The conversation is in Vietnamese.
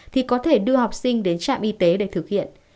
thì có thể đưa học sinh đến trạm y tế để thực hiện